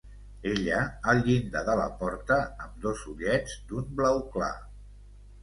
Ella al llindar de la porta amb dos ullets d'un blau clar